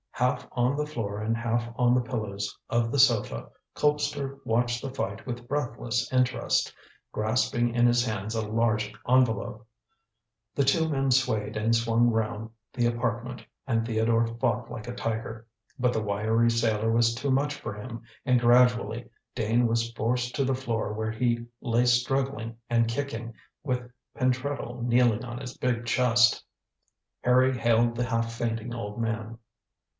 Half on the floor and half on the pillows of the sofa, Colpster watched the fight with breathless interest, grasping in his hands a large envelope. The two men swayed and swung round the apartment, and Theodore fought like a tiger. But the wiry sailor was too much for him, and gradually Dane was forced to the floor where he lay struggling and kicking, with Pentreddle kneeling on his big chest. Harry hailed the half fainting old man.